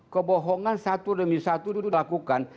kebohongan satu demi satu itu dilakukan